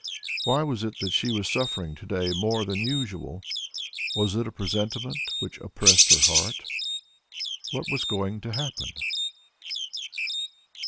Why was it that she was suffering to day more than usual? Was it a presentiment which oppressed her heart? What was going to happen?